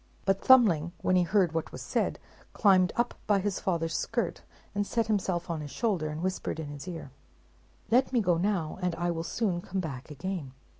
But Thumbling, when he heard what was said, climbed up by his father's skirt, and set himself on his shoulder, and whispered in his ear, "Let me go now, and I will soon come back again."